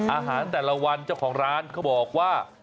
อาหารแต่ละวันเจ้าของร้านเขาบอกว่า